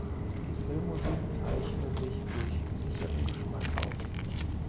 Die Filmmusik zeichne sich durch „sicheren Geschmack“ aus.